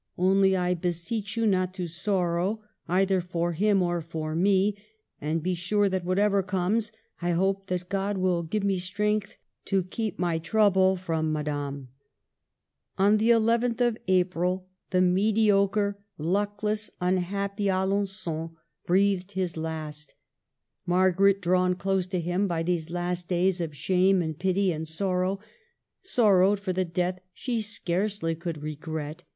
Only, I beseech you not to sorrow, either for him or for me ; and be sure that whatever comes, I hope that God will give me strength to keep my trouble from Madame." On the nth April the mediocre, luckless, un happy Alengon breathed his last Margaret, drawn close to him by these last days of shame and pity and sorrow, sorrowed for the death she scarcely could regret.